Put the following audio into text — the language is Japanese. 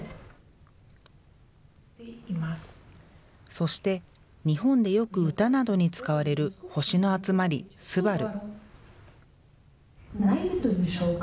そして、日本でよく歌などに使われる星の集まり、すばる。